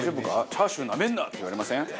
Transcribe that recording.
「チャーシューなめんな！」って言われません？